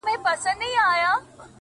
ما يې توبه د کور ومخته په کوڅه کي وکړه؛